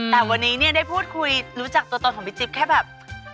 แต่วันนี้ได้พูดคุยรู้จักตัวตนของประจิปต์แค่แบบ